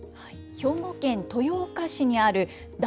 兵庫県豊岡市にある、だ